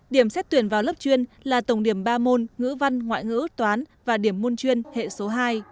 điểm xét tuyển vào lớp chuyên là tổng điểm ba môn ngữ văn ngoại ngữ toán và điểm môn chuyên hệ số hai